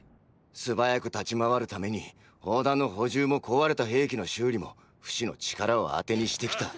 素早く立ち回るために砲弾の補充も壊れた兵器の修理もフシの力をあてにしてきた。